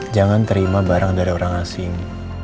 jangan terima barang dari orang asing